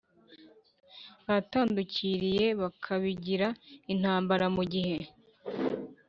batandukiriye bakabigira intambara mu gihe